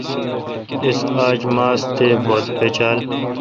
اس اج ماس تے بت پچال۔